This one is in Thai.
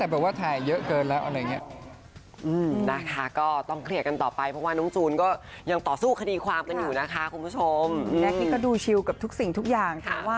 เพราะ